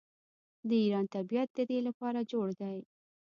د ایران طبیعت د دې لپاره جوړ دی.